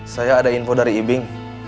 saya ada info dari ibing